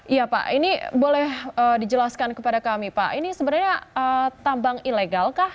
iya pak ini boleh dijelaskan kepada kami pak ini sebenarnya tambang ilegal kah